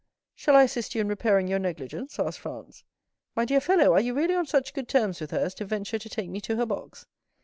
"Shall I assist you in repairing your negligence?" asked Franz. "My dear fellow, are you really on such good terms with her as to venture to take me to her box?"